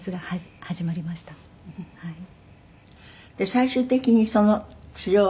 最終的にその治療は。